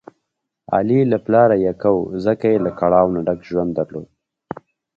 علي له پلاره یکه و، ځکه یې له کړاو نه ډک ژوند درلود.